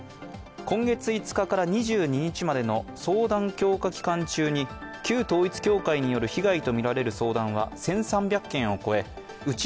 今月５日から２２日までの相談強化期間中に旧統一教会による被害とみられる相談は１３００件を超えうち